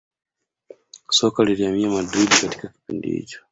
soka lilihamia madrid kwa kipindi hicho